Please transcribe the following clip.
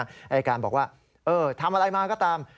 อายการบอกว่าทำอะไรมาก็ตาม